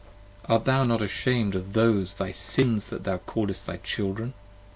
Art thou not asham'd of those thy Sins That thou callest thy Children